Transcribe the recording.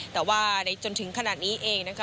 แต่ว่าในจนถึงขนาดนี้เองนะคะ